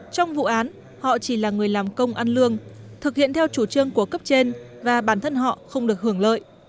trong vụ án họ chỉ là người làm công ăn lương thực hiện theo chủ trương của cấp trên và bản thân họ không được hưởng lợi